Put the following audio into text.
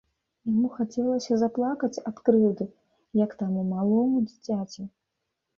Яму хацелася заплакаць ад крыўды, як таму малому дзіцяці.